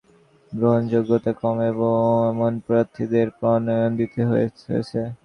বাকি সাতটিতে দুর্বল এবং এলাকায় গ্রহণযোগ্যতা কম, এমন প্রার্থীদের মনোনয়ন দিতে হয়েছে।